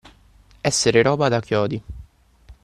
Essere roba da chiodi.